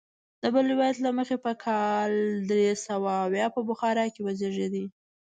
د بل روایت له مخې په کال درې سوه اویا په بخارا کې وزیږېد.